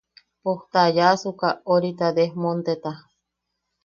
Pos ta ayaʼasuka orita desmonteta.